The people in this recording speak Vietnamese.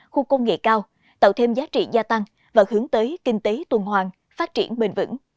khu công nghệ cao tạo thêm giá trị gia tăng và hướng tới kinh tế tuần hoàng phát triển bền vững